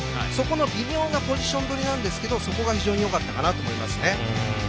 微妙なポジションどりですがそこが非常によかったかなと思いますね。